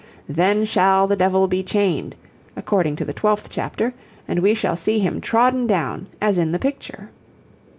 Then shall the Devil be chained, according to the 12th chapter, and we shall see him trodden down as in the picture.